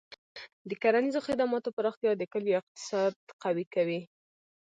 د کرنیزو خدماتو پراختیا د کلیو اقتصاد قوي کوي.